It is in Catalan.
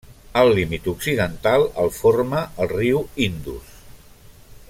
El límit occidental el forma el riu Indus.